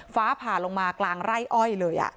ฟ้าผ่าลงมากลางไร่อ้อยเลย